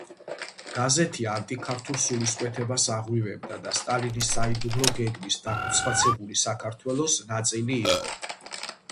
გაზეთი ანტიქართულ სულისკვეთებას აღვივებდა და სტალინის საიდუმლო გეგმის, „დაქუცმაცებული საქართველოს“ ნაწილი იყო.